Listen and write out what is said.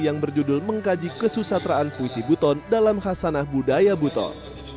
yang berjudul mengkaji kesusatraan puisi buton dalam khasanah budaya buton